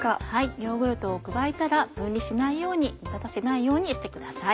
ヨーグルトを加えたら分離しないように煮立たせないようにしてください。